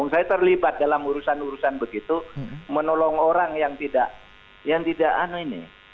saya terlibat dalam urusan urusan begitu menolong orang yang tidak ini